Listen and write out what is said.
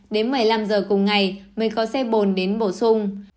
đến một mươi năm h cùng ngày mình có xe bồn đến bổ sung